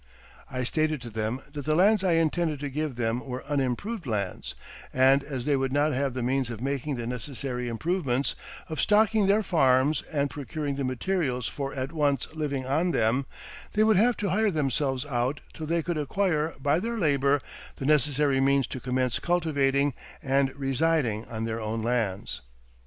"I stated to them that the lands I intended to give them were unimproved lands, and as they would not have the means of making the necessary improvements, of stocking their farms, and procuring the materials for at once living on them, they would have to hire themselves out till they could acquire by their labor the necessary means to commence cultivating and residing on their own lands.